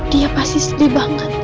dia pasti sedih banget